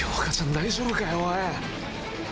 大丈夫かよおい！